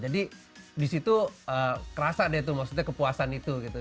jadi disitu kerasa deh tuh maksudnya kepuasan itu gitu